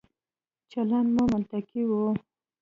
چلند مو منطقي وي.